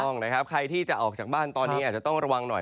ถูกต้องนะครับใครที่จะออกจากบ้านตอนนี้อาจจะต้องระวังหน่อย